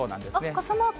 傘マーク。